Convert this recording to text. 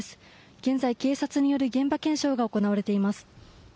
現在、警察による現場検証が行われています。